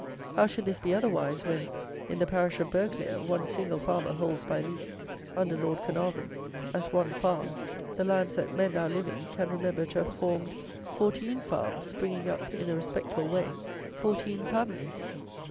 How should this be otherwise, when, in the parish of Burghclere, one single farmer holds by lease, under Lord Carnarvon, as one farm, the lands that men, now living, can remember to have formed fourteen farms, bringing up, in a respectable way, fourteen families.